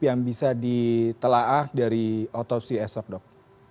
yang bisa ditelaah dari otopsi esok dok